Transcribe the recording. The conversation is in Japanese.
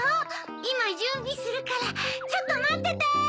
いまじゅんびするからちょっとまってて。